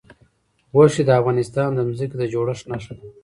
غوښې د افغانستان د ځمکې د جوړښت نښه ده.